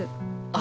あ。